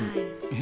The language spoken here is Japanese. え？